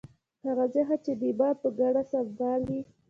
هغه ذهن چې د ایمان په ګاڼه سمبال وي